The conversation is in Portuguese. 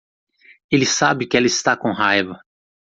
Ele sabe que ela está com raiva.